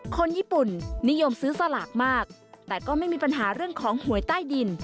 คนญี่ปุ่นนิยมซื้อสลากมากแต่ก็ไม่มีปัญหาเรื่องของหวยใต้ดิน